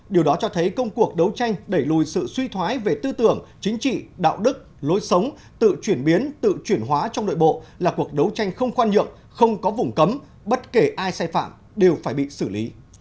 điều đó cho thấy công cuộc đấu tranh đẩy lùi sự suy thoái về tư tưởng chính trị đạo đức lối sống tự chuyển biến tự chuyển hóa trong nội bộ là cuộc đấu tranh không khoan nhượng không có vùng cấm bất kể ai sai phạm đều phải bị xử lý